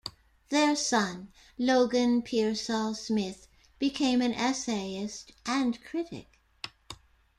Their son, Logan Pearsall Smith, became an essayist and critic.